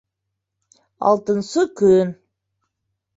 Алтынсы көн